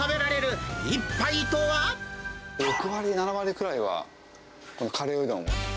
６割、７割くらいは、カレーうどんを。